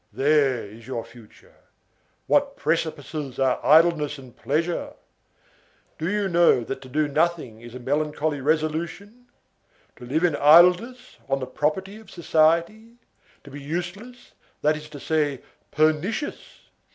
There is your future. What precipices are idleness and pleasure! Do you know that to do nothing is a melancholy resolution? To live in idleness on the property of society! to be useless, that is to say, pernicious!